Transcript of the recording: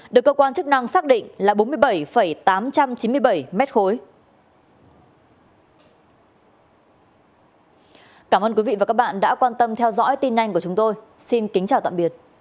được cơ quan chức năng xác định là bốn mươi bảy tám trăm chín mươi bảy m ba